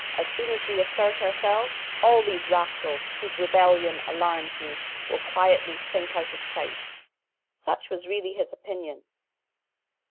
As soon as we assert ourselves, all these rascals, whose rebellion alarms you, will quietly sink out of sight." Such was really his opinion.